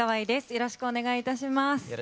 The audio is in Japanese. よろしくお願いします。